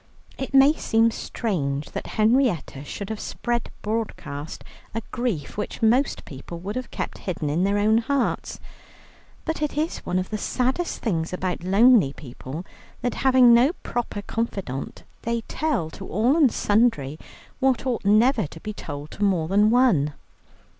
It may seem strange that Henrietta should have spread broadcast a grief which most people would keep hidden in their own hearts. But it is one of the saddest things about lonely people, that, having no proper confidant, they tell to all and sundry what ought never to be told to more than one.